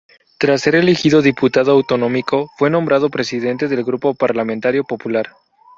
Tras ser elegido diputado autonómico, fue nombrado presidente del Grupo parlamentario Popular.